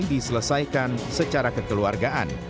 diselesaikan secara kekeluargaan